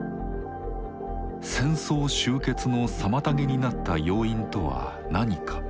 戦争終結の妨げになった要因とは何か？